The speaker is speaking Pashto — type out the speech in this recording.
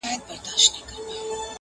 بازاري ویل قصاب دی زموږ په ښار کي٫